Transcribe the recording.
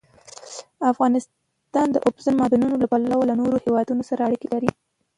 افغانستان د اوبزین معدنونه له پلوه له نورو هېوادونو سره اړیکې لري.